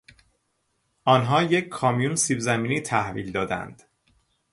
آنها یک کامیون سیب زمینی تحویل دادند.